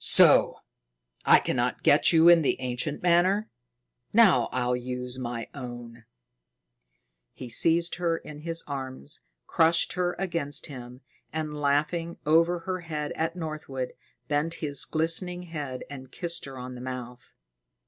"So! I cannot get you in the ancient manner. Now I'll use my own." He seized her in his arms crushed her against him, and, laughing over her head at Northwood, bent his glistening head and kissed her on the mouth.